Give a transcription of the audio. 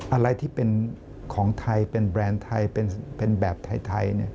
อะไรที่เป็นของไทยเป็นแบรนด์ไทยเป็นแบบไทย